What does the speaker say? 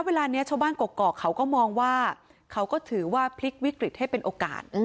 เวลานี้ชาวบ้านกรอกเขาก็มองว่าเขาก็ถือว่าพลิกวิกฤตให้เป็นโอกาส